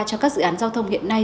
cho các dự án giao thông hiện nay